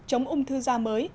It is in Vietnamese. chống ung thư da mới